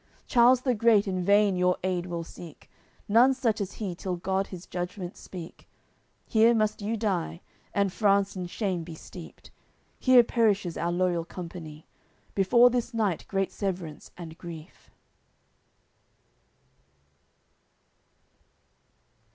Charles the great in vain your aid will seek None such as he till God His Judgement speak; Here must you die, and France in shame be steeped; Here perishes our loyal company, Before this night great severance and grief."